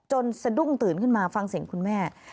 สะดุ้งตื่นขึ้นมาฟังเสียงคุณแม่